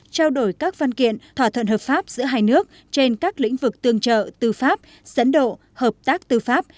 trao đổi các văn kiện thỏa thuận hợp pháp giữa hai nước trên các lĩnh vực tương trợ tư pháp dẫn độ hợp tác tư pháp